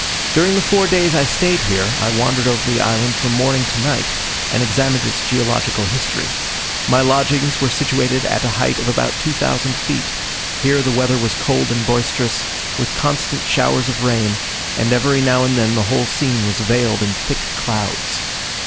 During the four days I stayed here, I wandered over the island from morning to night, and examined its geological history. My lodgings were situated at a height of about 2000 feet; here the weather was cold and boisterous, with constant showers of rain; and every now and then the whole scene was veiled in thick clouds.